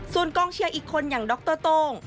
ส่วนกองเชียร์อีกคนอย่างดรโต้ง